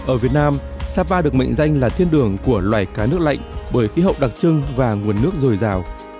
ở việt nam sapa được mệnh danh là thiên đường của loài cá nước lạnh bởi khí hậu đặc trưng và nguồn nước dồi dào